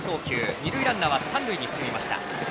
二塁ランナーは三塁に進みました。